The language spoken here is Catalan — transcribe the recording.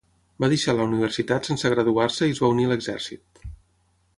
Va deixar la universitat sense graduar-se i es va unir l'Exèrcit.